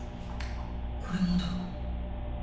これもだ。